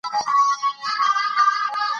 یوازی وایي دا قران که سیپارې ساتی